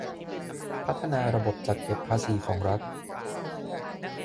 พัฒนาระบบจัดเก็บภาษีของรัฐ